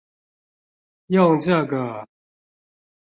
用這個